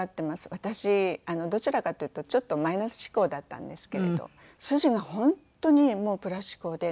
私どちらかというとちょっとマイナス思考だったんですけれど主人が本当にもうプラス思考で。